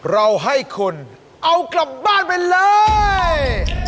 เราให้คุณเอากลับบ้านไปเลย